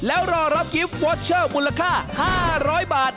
แล้วรอรับกิฟต์วอเชอร์มูลค่า๕๐๐บาท